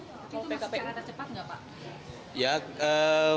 itu masih keadaan cepat nggak pak